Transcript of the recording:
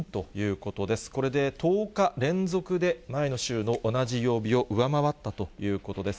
これで１０日連続で前の週の同じ曜日を上回ったということです。